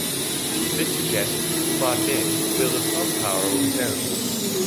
This suggests Umar Din wielded some power of his own.